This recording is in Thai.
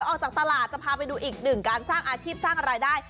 ออกจากตลาดจะพาไปดูอีกหนึ่งการสร้างอาชีพสร้างรายได้